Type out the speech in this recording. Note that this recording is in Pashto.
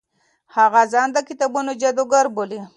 هغه ځان د کتابونو جادوګر بولي.